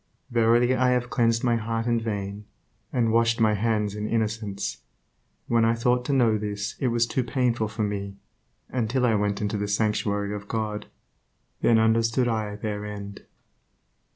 Verily I have cleansed my heart in vain, and washed my hands in innocence... When I thought to know this it was too painful for me; until I went into the sanctuary of God, then understood I their end."